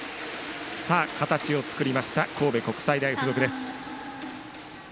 形を作りました神戸国際大付属。